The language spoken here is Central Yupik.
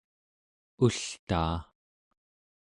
ultaa